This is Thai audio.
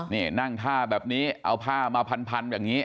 นี่นั่งท่าแบบนี้เอาผ้ามาพันอย่างนี้